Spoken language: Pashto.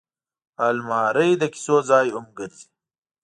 الماري د کیسو ځای هم ګرځي